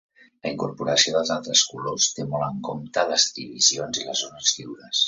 La incorporació dels altres colors té molt en compte les divisions i les zones lliures.